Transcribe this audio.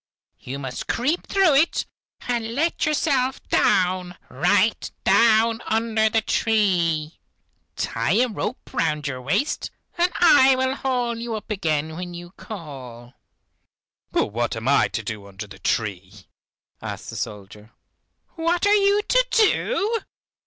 You must creep through it and let yourself down, right down under the tree. Tie a rope round your waist, and I will haul you up again when you call." "But what am I to do under the tree?" asked the soldier. "What are you to do?